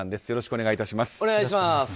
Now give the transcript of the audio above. よろしくお願いします。